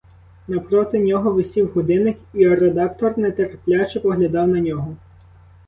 Навпроти нього висів годинник, і редактор нетерпляче поглядав на нього.